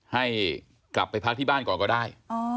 ให้กลับไปพักที่บ้านก่อนก็ได้